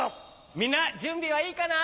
みんなじゅんびはいいかな？